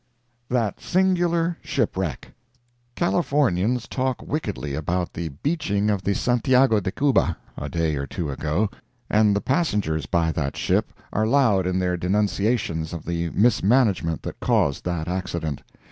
THAT SINGULAR SHIPWRECK Californians talk wickedly about the beaching of the Santiago de Cuba a day or two ago, and the passengers by that ship are loud in their denunciations of the mismanagement that caused that accident.